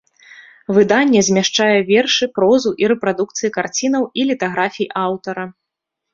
Выданне змяшчае вершы, прозу і рэпрадукцыі карцінаў і літаграфій аўтара.